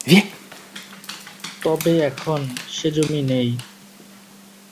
তবে এখন সে জমি নেই।